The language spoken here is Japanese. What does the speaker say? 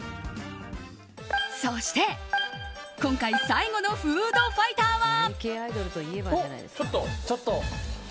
そして、今回最後のフードファイターは。